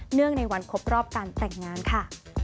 ในวันครบรอบการแต่งงานค่ะ